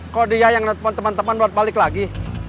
kok dia yang nelfon temen temen buat balik lagi